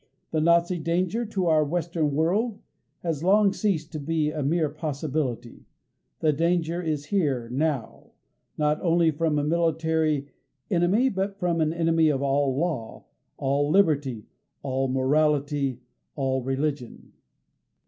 The Nazi danger to our Western world has long ceased to be a mere possibility. The danger is here now not only from a military enemy but from an enemy of all law, all liberty, all morality, all religion.